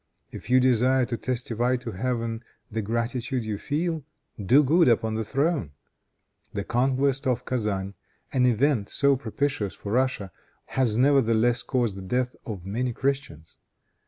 If you desire to testify to Heaven the gratitude you feel, do good upon the throne. The conquest of Kezan, an event so propitious for Russia, has nevertheless caused the death of many Christians.